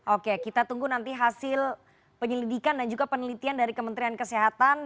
oke kita tunggu nanti hasil penyelidikan dan juga penelitian dari kementerian kesehatan